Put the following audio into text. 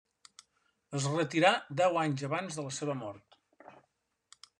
Es retirà deu anys abans de la seva mort.